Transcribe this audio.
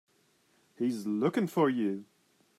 He's looking for you.